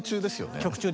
曲中。